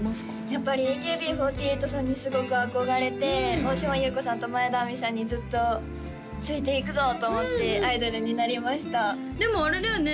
やっぱりＡＫＢ４８さんにすごく憧れて大島優子さんと前田亜美さんにずっとついていくぞと思ってアイドルになりましたでもあれだよね